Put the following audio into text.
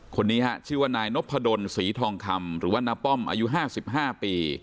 คนนี้ฮะชื่อว่านายนพดลศรีทองคำหรือว่าน้าป้อมอายุ๕๕ปี